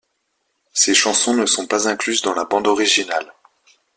Ces chansons ne sont pas incluses dans la bande originale.